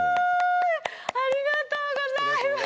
ありがとうございます。